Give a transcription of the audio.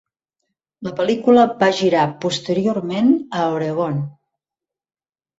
La pel·lícula va girar posteriorment a Oregon.